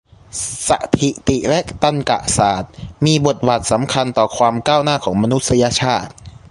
สถิติและตรรกะศาสตร์ มีบทบาทสำคัญต่อ ความก้าวหน้าของมนุษยชาติ